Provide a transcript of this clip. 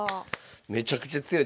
めちゃくちゃ強い。